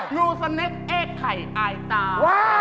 งูสเนคเอ๊ไข่อายตา